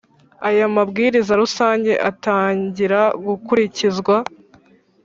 Aya mabwiriza rusange atangira gukurikizwa